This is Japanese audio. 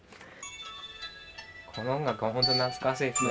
この音楽は本当に懐かしいですね。